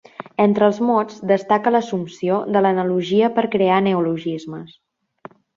Entre els mots destaca l'assumpció de l'analogia per crear neologismes.